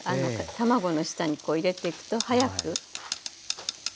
卵の下にこう入れていくと早くできますので。